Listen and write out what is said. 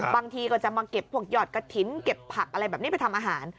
บางทีก็จะมาเก็บพวกหยอดกระถิ่นเก็บผักอะไรแบบนี้ไปทำอาหาร